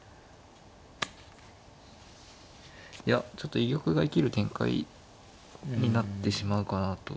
いやちょっと居玉が生きる展開になってしまうかなと。